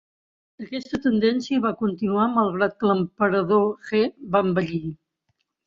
Aquesta tendència va continuar malgrat que l"emperador He va envellir.